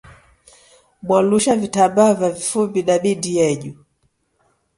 Mwalusha vitambaa va vifumbi na mindi yenyu.